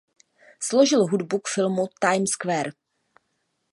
Složil hudbu k filmu Times Square.